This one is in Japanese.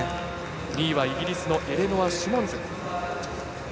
２位はイギリスのエレノア・シモンズ。